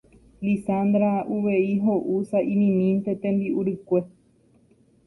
Lizandra uvei ho'u sa'imimínte tembi'u rykue